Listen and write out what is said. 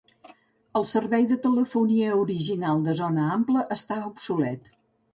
El servei de telefonia original de zona ampla està obsolet.